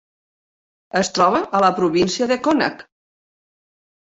Es troba a la província de Connacht.